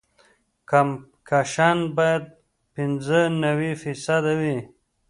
کمپکشن باید پینځه نوي فیصده وي